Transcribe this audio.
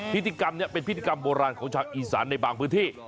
พิธีกรรมนี้เป็นพิธีกรรมโบราณของชาวอีสานในบางพื้นที่